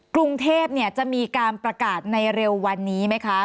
กรุงเทพจะมีการประกาศในเร็ววันนี้ไหมคะ